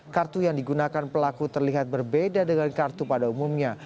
kartu yang digunakan pelaku terlihat berbeda dengan kartu pada umumnya